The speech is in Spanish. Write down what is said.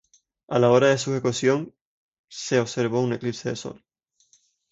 A la hora de su ejecución se observó un eclipse de sol.